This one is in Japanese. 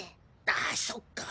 あそっか。